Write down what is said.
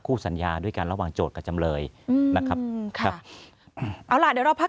สัญญาด้วยกันระหว่างโจทย์กับจำเลยอืมนะครับครับเอาล่ะเดี๋ยวเราพัก